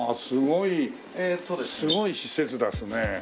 すごいすごい施設ですね。